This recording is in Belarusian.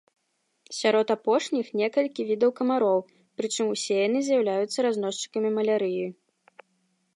Сярод апошніх некалькі відаў камароў, прычым усе яны з'яўляюцца разносчыкамі малярыі.